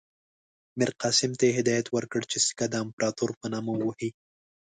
میرقاسم ته یې هدایت ورکړ چې سکه د امپراطور په نامه ووهي.